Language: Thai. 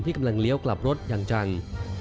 กำลังเลี้ยวกลับรถอย่างจัง